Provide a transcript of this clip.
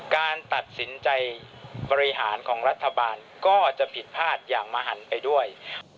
การตัดสินใจบริหารของรัฐบาลก็จะผิดพลาดอย่างมหันไปด้วย